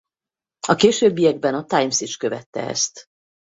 A későbbiekben a Times is követte ezt.